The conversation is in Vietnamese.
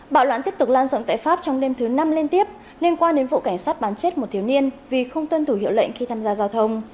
bạo loạn tiếp tục lan rộng tại pháp trong đêm thứ năm liên tiếp liên quan đến vụ cảnh sát bắn chết một thiếu niên vì không tuân thủ hiệu lệnh khi tham gia giao thông